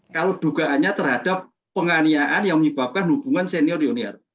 kalau dugaannya terhadap penganiayaan yang menyebabkan hubungan senior yuniar